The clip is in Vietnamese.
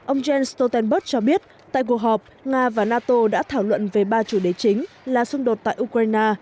ông jens stoltenberg cho biết tại cuộc họp nga và nato đã thảo luận về ba chủ đề chính là xung đột tại ukraine